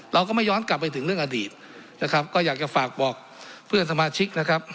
เราก็ไม่ย้อนกลับไปถึงเรื่องอดีตนะครับก็อยากจะฝากบอกเพื่อนสมาชิกนะครับ